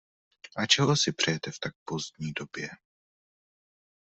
A čeho si přejete v tak pozdní době?